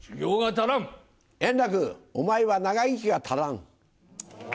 円楽、お前は長生きが足らん。